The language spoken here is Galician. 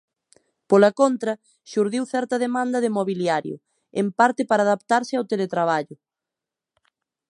Pola contra, xurdiu certa demanda de mobiliario, en parte para adaptarse ao teletraballo.